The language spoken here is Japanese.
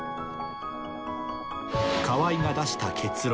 川合が出した結論